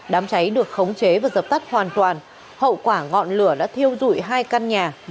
đám cháy được khống chế và dập tắt hoàn toàn hậu quả ngọn lửa đã thiêu dụi hai căn nhà